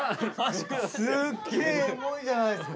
すっげえエモいじゃないですか。